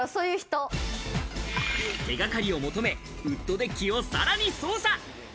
手掛かりを求め、ウッドデッキをさらに捜査。